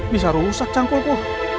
bisa rusak cangkulku